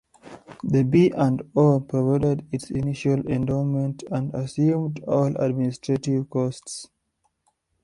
The B and O provided its initial endowment and assumed all administrative costs.